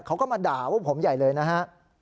เขาก็มาด่าว่าผมไยเลยนะฮะ